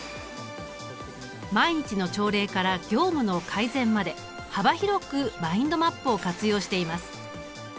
毎日の朝礼から業務の改善まで幅広くマインドマップを活用しています。